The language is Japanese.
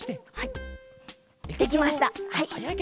できましたはい。